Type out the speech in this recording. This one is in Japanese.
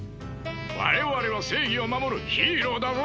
我々は正義を守るヒーローだぞ！